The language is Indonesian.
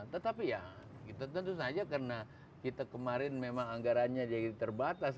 tetapi ya kita tentu saja karena kita kemarin memang anggarannya jadi terbatas